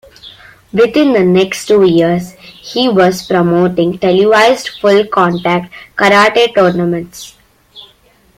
Within the next two years, he was promoting televised full-contact karate tournaments.